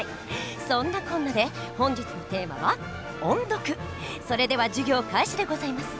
そんなこんなで本日のテーマはそれでは授業開始でございます。